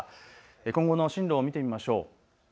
今後の進路を見ていきましょう。